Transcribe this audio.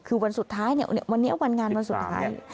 คือวันสุดท้ายเนี่ยวันนี้วันงานวันสุดท้าย